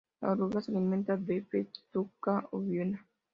La oruga se alimenta de "Festuca ovina".